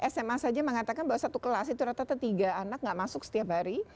sma saja mengatakan bahwa satu kelas itu rata rata tiga anak tidak masuk setiap hari